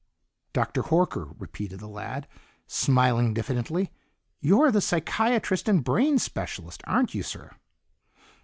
"Dr. Horker," repeated the lad, smiling diffidently. "You're the psychiatrist and brain specialist, aren't you, Sir?"